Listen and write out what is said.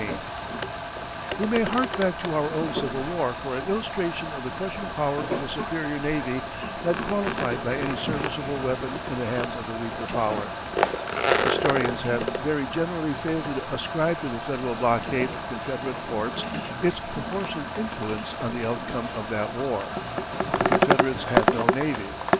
We may hark back to our own Civil War for an illustration of the crushing power of a superior navy not qualified by any serviceable weapon in the hands of the weaker power. Historians have very generally failed to ascribe to the Federal blockade of Confederate ports its proportionate influence on the outcome of that war. The Confederates had no navy.